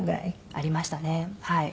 ありましたねはい。